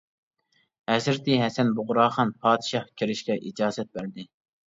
ھەزرىتى ھەسەن بۇغراخان پادىشاھ كىرىشكە ئىجازەت بەردى.